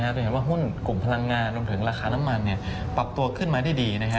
จะเห็นว่าหุ้นกลุ่มพลังงานรวมถึงราคาน้ำมันปรับตัวขึ้นมาได้ดี